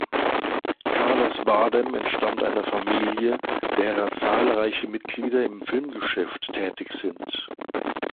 Carlos Bardem entstammt einer Familie, derer zahlreiche Mitglieder im Filmgeschäft tätig sind.